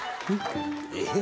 えっ？